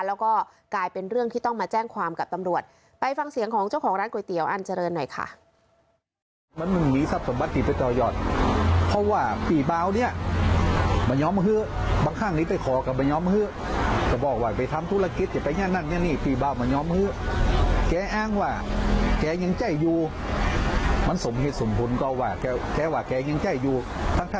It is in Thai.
แล้วก็กลายเป็นเรื่องที่ต้องมาแจ้งความกับตำรวจไปฟังเสียงของเจ้าของร้านก๋วยเตี๋ยวอันเจริญหน่อยค่ะ